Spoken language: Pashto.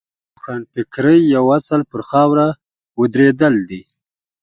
روښانفکرۍ یو اصل پر خپله خاوره ودرېدل دي.